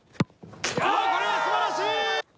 これは素晴らしい！